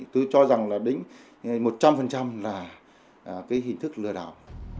tôi cho rằng là đến một trăm linh là cái hình thức lừa đảo